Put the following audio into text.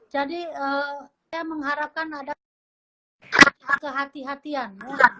saya mengharapkan ada kehatian